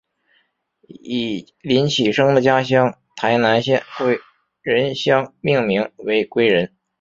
以林启生的家乡台南县归仁乡命名为归仁。